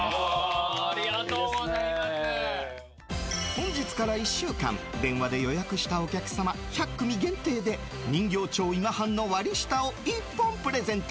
本日から１週間電話で予約したお客様１００組限定で人形町今半の割り下を１本プレゼント！